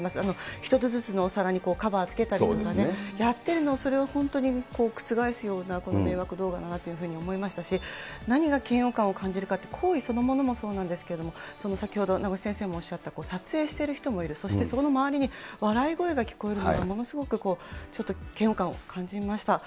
一つずつのお皿にカバーつけたり、やってるのを、それを本当に覆すような迷惑動画だなと思いましたし、何が嫌悪感を感じるかって、行為そのものもそうなんですけど、先ほど名越先生もおっしゃって、撮影している人もいる、そしてその周りに笑い声が聞こえるのもものすごく、ちょっと嫌悪感を感じました。